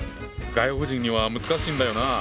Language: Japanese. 外国人には難しいんだよな。